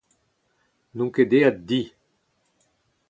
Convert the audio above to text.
N'on ket aet di.